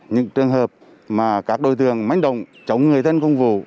những trường hợp mà các đối tượng manh động chống người thân công vụ